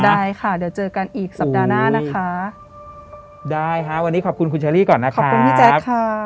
ได้ค่ะเดี๋ยวเจอกันอีกสัปดาห์หน้านะคะได้ค่ะวันนี้ขอบคุณคุณเชอรี่ก่อนนะคะขอบคุณพี่แจ๊คค่ะ